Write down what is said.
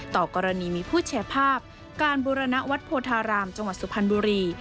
ต่อกรณีมีผู้แชร์ภาพการบุรณวัดโพธารามจังหวัดสุพรรณบุรี